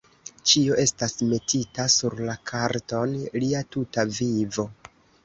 Ĉio estas metita sur la karton: lia tuta vivo.